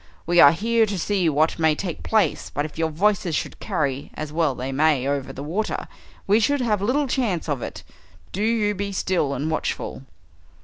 We are here to see what may take place, but if your voices should carry, as well they may, over the water, we should have little chance of it. Do you be still and watchful."